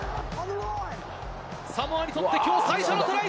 サモアにとってきょう最初のトライ！